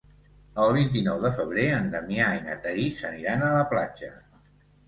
El vint-i-nou de febrer en Damià i na Thaís aniran a la platja.